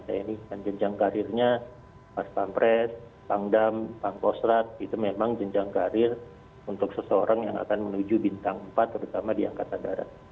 pak andika jenjang karirnya pak stamperet pak dam pak posrat itu memang jenjang karir untuk seseorang yang akan menuju bintang empat terutama di angkatan darat